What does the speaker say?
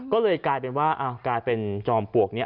ก็เลยกลายเป็นว่าอ้าวกลายเป็นจอมปวกเนี่ย